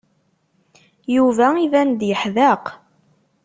Yuba iban-d yeḥdeq.